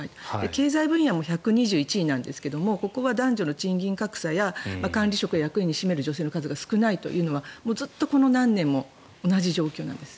経済分野も１２１位なんですがここは男女の賃金格差や役員の数が女性の数が少ないというのはずっとこの何年も同じ状況なんです。